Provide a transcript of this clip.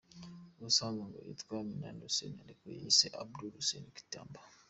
Ubusanzwe ngo yitwa Minani Hussein, ariko yiyise Abdul Hussein Kitamba.